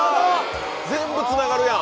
全部つながるやん。